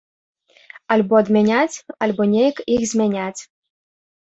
Альбо адмяняць, альбо неяк іх змяняць.